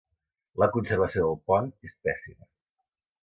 La conservació del pont és pèssima.